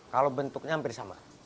kalau bentuknya hampir sama